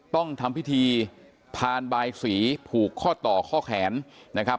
ต้องทำพิธีพานบายสีผูกข้อต่อข้อแขนนะครับ